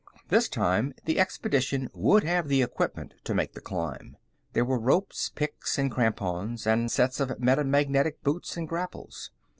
This time, the expedition would have the equipment to make the climb. There were ropes, picks, and crampons, and sets of metamagnetic boots and grapples.